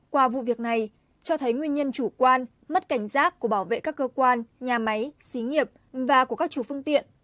qua vụ việc này cho thấy nguyên nhân chủ quan mất cảnh giác của bảo vệ các cơ quan nhà máy xí nghiệp và của các chủ phương tiện